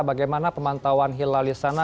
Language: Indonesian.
bagaimana pemantauan hilal di sana